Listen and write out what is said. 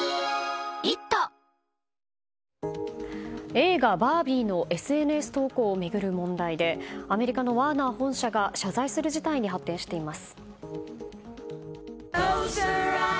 映画「バービー」のＳＮＳ投稿を巡る問題でアメリカのワーナー本社が謝罪する事態に発展しています。